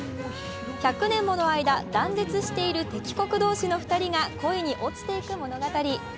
１００年もの間、断絶している敵国同士の２人が恋に落ちていく物語。